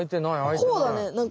こうだねなんか。